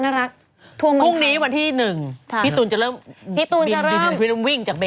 พรุ่งนี้วันที่หนึ่งพี่ตูนจะเริ่มวิ่งจากเบโต